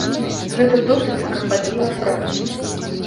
Гэта досыць карпатлівая праца.